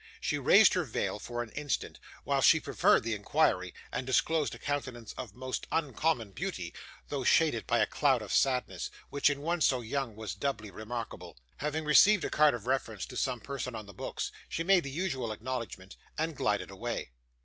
She raised her veil, for an instant, while she preferred the inquiry, and disclosed a countenance of most uncommon beauty, though shaded by a cloud of sadness, which, in one so young, was doubly remarkable. Having received a card of reference to some person on the books, she made the usual acknowledgment, and glided away.